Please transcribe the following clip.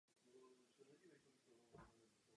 Na Lékařské akademii přednášel filozofii.